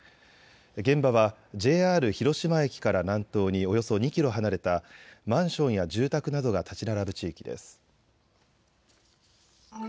現場はＪＲ広島駅から南東におよそ２キロ離れたマンションや住宅などが建ち並ぶ地域です。